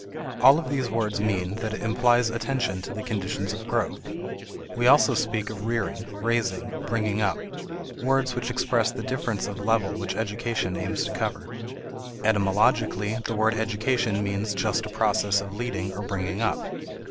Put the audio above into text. All of these words mean that it implies attention to the conditions of growth. We also speak of rearing, raising, bringing up words which express the difference of level which education aims to cover. Etymologically, the word education means just a process of leading or bringing up.